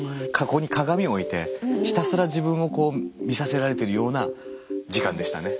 ここに鏡を置いてひたすら自分をこう見させられてるような時間でしたね。